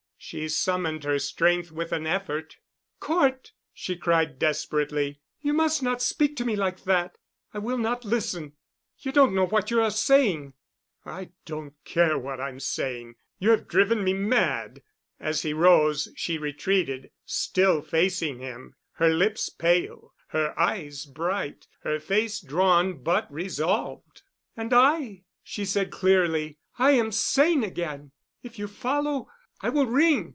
She summoned her strength with an effort. "Cort!" she cried desperately. "You must not speak to me like that. I will not listen. You don't know what you are saying." "I don't care what I'm saying—you have driven me mad." As he rose, she retreated, still facing him, her lips pale, her eyes bright, her face drawn but resolved. "And I," she said clearly, "I am sane again. If you follow—I will ring.